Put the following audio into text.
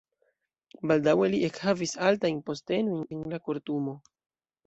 Baldaŭe li ekhavis altajn postenojn en la kortumo.